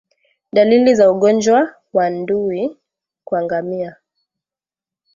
Dalili za ugonjwa wan dui kwa ngamia